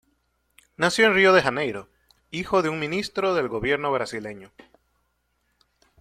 Nació en Río de Janeiro, hijo de un ministro del gobierno brasileño.